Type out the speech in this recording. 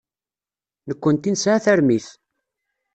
Nekkenti nesɛa tarmit.